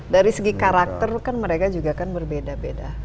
dari segi karakter mereka juga berbeda beda